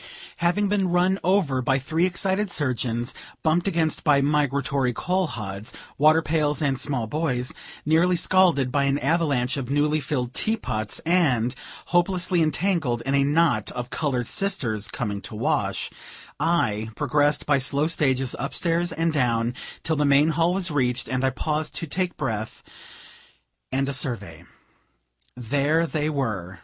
Having been run over by three excited surgeons, bumped against by migratory coal hods, water pails, and small boys, nearly scalded by an avalanche of newly filled tea pots, and hopelessly entangled in a knot of colored sisters coming to wash, I progressed by slow stages up stairs and down, till the main hall was reached, and I paused to take breath and a survey. There they were!